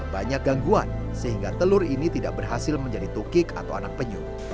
banyak gangguan sehingga telur ini tidak berhasil menjadi tukik atau anak penyu